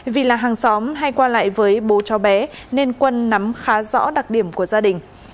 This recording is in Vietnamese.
vì là hàng xóm hay qua lại với bố cho bé nên quân nắm khá rõ đặc điểm của gia đình